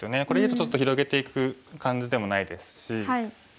これ以上ちょっと広げていく感じでもないですし。